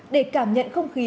để cảm nhận không khí